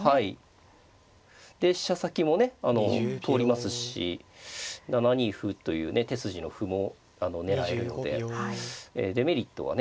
で飛車先もね通りますし７二歩というね手筋の歩も狙えるのでデメリットはね